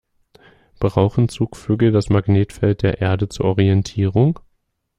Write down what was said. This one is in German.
Brauchen Zugvögel das Magnetfeld der Erde zur Orientierung?